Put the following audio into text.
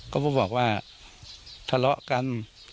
ก็บอกว่าทะเลาะกัน